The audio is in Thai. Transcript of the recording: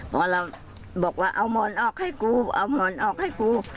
หมอเราบอกว่าเอาหมอนออกให้กูเอาหมอนออกให้กู